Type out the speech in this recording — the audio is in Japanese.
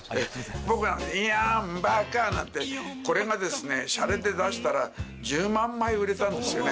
僕は、いやんばかーんなんて、これがですね、しゃれで出したら、１０万枚売れたんですよね。